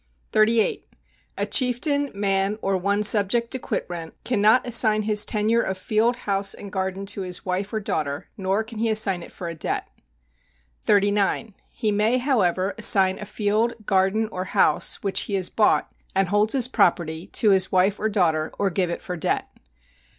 38. A chieftain, man or one subject to quit rent cannot assign his tenure of field, house and garden to his wife or daughter, nor can he assign it for a debt. 39. He may, however, assign a field, garden or house which he has bought, and holds as property, to his wife or daughter or give it for debt.